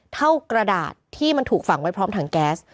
กระดาษที่มันถูกฝังไว้พร้อมถังแก๊ส